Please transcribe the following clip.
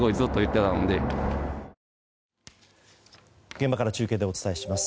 現場から中継でお伝えします。